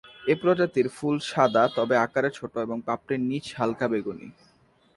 এই প্রজাতির ফুল সাদা, তবে আকারে ছোট এবং পাপড়ির নিচ হালকা বেগুনি।